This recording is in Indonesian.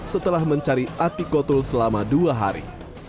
setelah mencari ati kotul selama dua hari